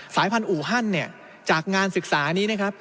สายพันธุฮันเนี่ยจากงานศึกษานี้นะครับ